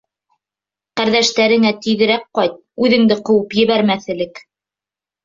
Ҡәрҙәштәреңә тиҙерәк ҡайт, үҙеңде ҡыуып ебәрмәҫ элек.